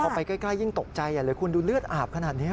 พอไปใกล้ยิ่งตกใจเลยคุณดูเลือดอาบขนาดนี้